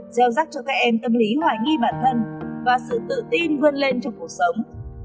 gieo rắc cho các em tâm lý hoài nghi bản thân và sự tự tin vươn lên trong cuộc sống